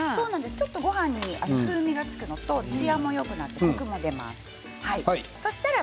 ちょっとごはんに風味がつくのとつやもよくなります。